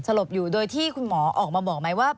ลบอยู่โดยที่คุณหมอออกมาบอกไหมว่า